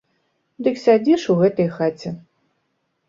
Дык сядзі ж у гэтай хаце.